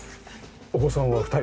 お子さんは２人？